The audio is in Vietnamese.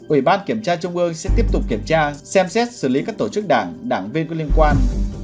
ủy ban kiểm tra trung ương sẽ tiếp tục kiểm tra xem xét xử lý các tổ chức đảng đảng viên có liên quan